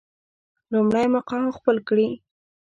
لومړی مقام خپل کړي.